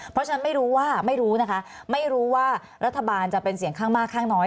เพราะฉะนั้นไม่รู้ว่ารัฐบาลจะเป็นเสียงข้างมากข้างน้อย